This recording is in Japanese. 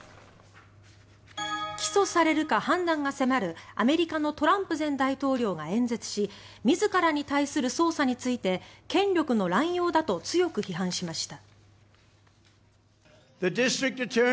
起訴されるか判断が迫るアメリカのトランプ前大統領が演説し自らに対する捜査について権力の乱用だと強く批判しました。